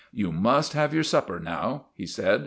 " You must have your supper now," he said.